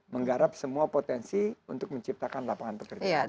menggarap semua potensi untuk menciptakan lapangan pekerjaan